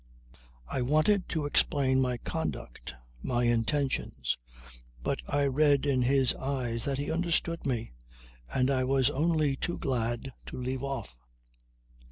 "I wanted to explain my conduct, my intentions, but I read in his eyes that he understood me and I was only too glad to leave off.